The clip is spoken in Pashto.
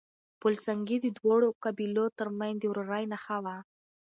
پل سنګي د دواړو قبيلو ترمنځ د ورورۍ نښه وه.